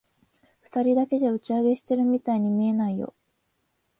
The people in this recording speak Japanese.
二人だけじゃ、打ち上げしてるみたいに見えないよ。